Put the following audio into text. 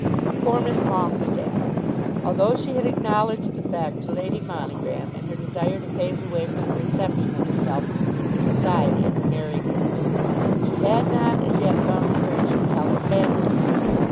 Poor Miss Longestaffe! Although she had acknowledged the fact to Lady Monogram in her desire to pave the way for the reception of herself into society as a married woman, she had not as yet found courage to tell her family.